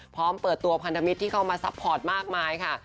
พร้อมเปิดตัวพันธมิตรที่เข้ามาซัพพอร์ตมากมายค่ะ